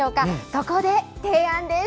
そこで提案です。